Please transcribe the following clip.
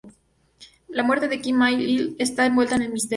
La muerte de Kim Man-il está envuelta en el misterio.